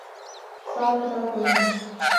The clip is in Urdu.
حساب کتاب کوئی نہیں۔